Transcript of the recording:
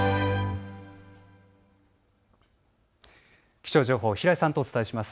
気象情報、平井さんとお伝えします。